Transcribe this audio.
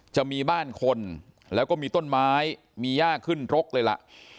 จะมีบ้านคนแล้วก็มีต้นไม้มีย่าขึ้นรกเลยล่ะ